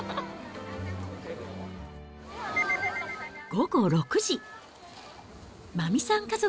午後６時。